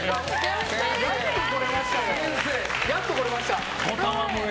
やっと来れましたよ。